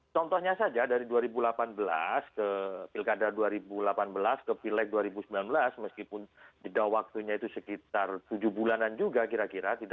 contohnya saja dari dua ribu delapan belas ke pilkada dua ribu delapan belas ke pileg dua ribu sembilan belas meskipun jeda waktunya itu sekitar tujuh bulanan juga kira kira